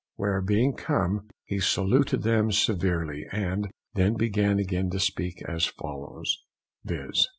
Where being come, he saluted them severally, and then began again to speak as followeth, _viz.